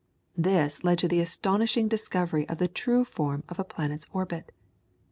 This led to the astonishing discovery of the true form of a planet's orbit.